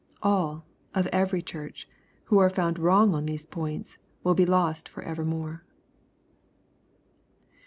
All, of every church, who are found wrong on these points, will be lost for evermore.